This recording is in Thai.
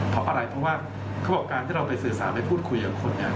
เพราะอะไรเพราะว่าเขาบอกการที่เราไปสื่อสารไปพูดคุยกับคนเนี่ย